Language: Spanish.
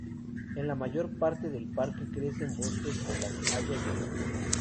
En la mayor parte del parque crecen bosques con las Hayas del sur.